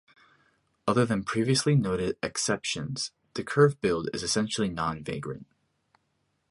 Other than previously noted exceptions, the curve-billed is essentially non-vagrant.